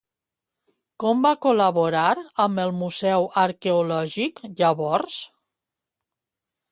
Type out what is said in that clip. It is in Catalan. Com va col·laborar amb el Museu Arqueològic llavors?